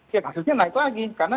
ya hasilnya naik lagi